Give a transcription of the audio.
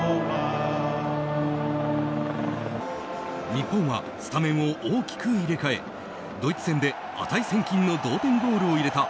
日本はスタメンを大きく入れ替えドイツ戦で値千金の同点ゴールを入れた